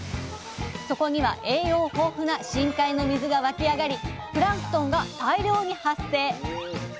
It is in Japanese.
そこには栄養豊富な深海の水が湧き上がりプランクトンが大量に発生。